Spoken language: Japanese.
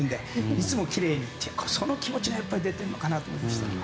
いつもきれいにというその気持ちが出てるのかなと思いました。